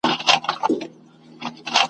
نه پوهیږو ماتوو د چا هډونه `